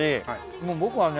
もう僕はね